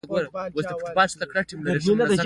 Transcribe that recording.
ويې پوښتل څنگه داسې اوتر غوندې يې.